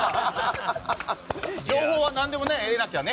情報は何でも得なきゃね。